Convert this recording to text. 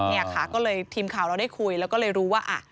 เนี่ยค่ะก็เลยทีมข่าวเราได้คุยแล้วก็เลยรู้ว่า